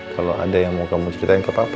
kalau ada yang mau kamu ceritain ke papa